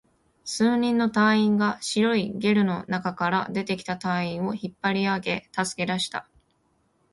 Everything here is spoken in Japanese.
数人の隊員が白いゲルの中から出てきた隊員を引っ張り上げ、助け出した